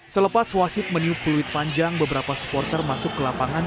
selepas wasit meniup peluit panjang beberapa supporter masuk ke lapangan